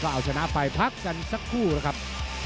เอาชนะไปพักกันสักครู่นะครับ